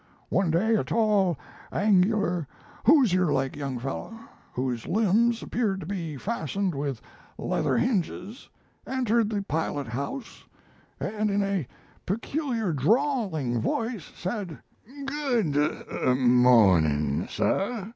One day a tall, angular, hoosier like young fellow, whose limbs appeared to be fastened with leather hinges, entered the pilot house, and in a peculiar, drawling voice, said "'Good mawnin, sir.